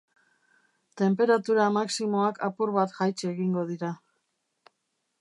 Tenperatura maximoak apur bat jaitsi egingo dira.